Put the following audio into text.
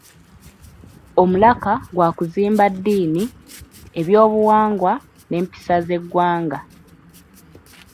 Omulaka gwa kuzimba dddiini, ebyobuwangwa n'empisa z'eggwanga.